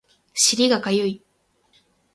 尻がかゆい